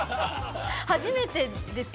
初めてですか？